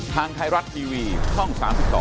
ทางไทยรัฐทีวีช่อง๓๒